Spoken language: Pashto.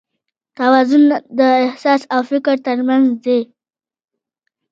توازن د احساس او فکر تر منځ دی.